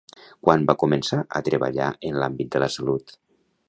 Quan va començar a treballar en l'àmbit de la salut?